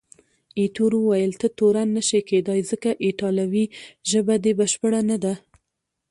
ایټور وویل، ته تورن نه شې کېدای، ځکه ایټالوي ژبه دې بشپړه نه ده.